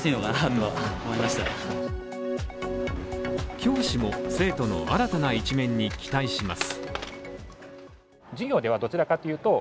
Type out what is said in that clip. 教師も生徒の新たな一面に期待します。